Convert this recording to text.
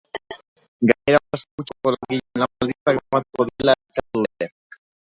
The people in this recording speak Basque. Gainera, aurrezki kutxako langileen lan-baldintzak bermatuko direla eskatu dute.